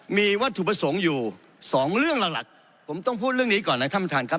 มีวัตถุประสงค์อยู่สองเรื่องหลักผมต้องพูดเรื่องนี้ก่อนนะท่านประธานครับ